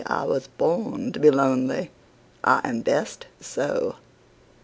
I was born to be lonely, I am best so!"